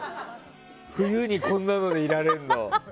冬に、こんなのでいられるの。